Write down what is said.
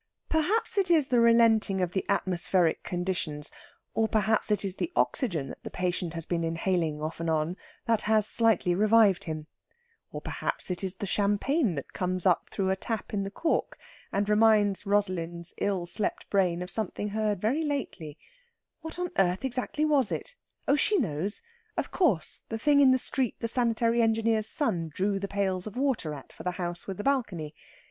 Perhaps it is the relenting of the atmospheric conditions, or perhaps it is the oxygen that the patient has been inhaling off and on, that has slightly revived him. Or perhaps it is the champagne that comes up through a tap in the cork, and reminds Rosalind's ill slept brain of something heard very lately what on earth exactly was it? Oh, she knows! Of course, the thing in the street the sanitary engineer's son drew the pails of water at for the house with the balcony.